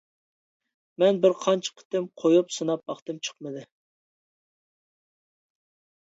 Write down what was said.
مەن بىر قانچە قېتىم قويۇپ سىناپ باقتىم چىقمىدى.